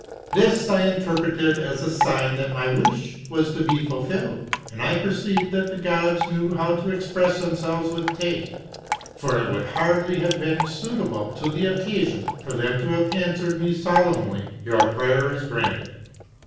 This I inter preted as a sign that my wish was to be fulfilled, and I perceived that the gods knew how to express themselves with taste; for it would hardly have been suitable to the occasion for them to have answered me solemnly: Your prayer is granted."